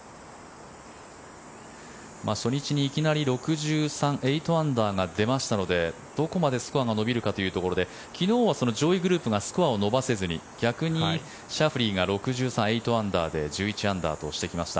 初日にいきなり６３８アンダーが出ましたのでどこまでスコアが伸びるかというところで昨日は上位グループがスコアを伸ばせずに逆にシャフリーが６３８アンダーで１１アンダーとしてきました。